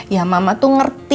ya mama tuh ngerti